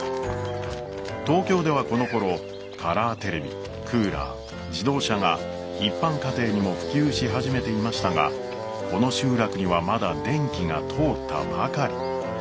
東京ではこのころカラーテレビクーラー自動車が一般家庭にも普及し始めていましたがこの集落にはまだ電気が通ったばかり。